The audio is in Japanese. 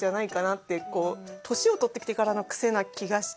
こう年を取ってきてからのクセな気がして。